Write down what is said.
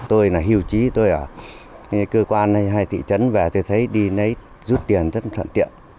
tôi là hiệu trí tôi ở cơ quan hay thị trấn về tôi thấy đi lấy rút tiền rất sẵn tiện